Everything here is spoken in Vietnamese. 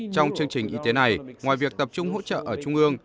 trong chương trình y tế này ngoài việc tập trung hỗ trợ ở trung ương